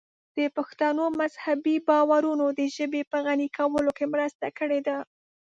د پښتنو مذهبي باورونو د ژبې په غني کولو کې مرسته کړې ده.